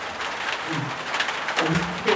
Pierre Soult's cavalry screened to the east and south.